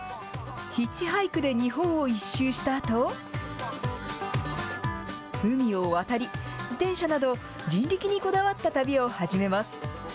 ヒッチハイクで日本を一周したあと、海を渡り、自転車など、人力にこだわった旅を始めます。